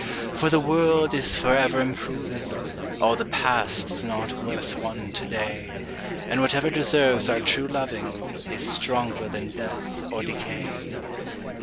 For the world is forever improving, All the past is not worth one to day, And whatever deserves our true loving. Is stronger than death or decay.